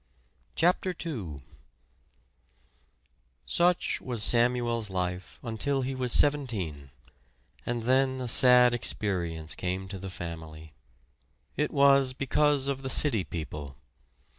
CHAPTER II Such was Samuel's life until he was seventeen, and then a sad experience came to the family. It was because of the city people.